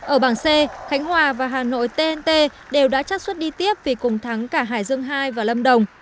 ở bảng c khánh hòa và hà nội tnt đều đã chắc xuất đi tiếp vì cùng thắng cả hải dương hai và lâm đồng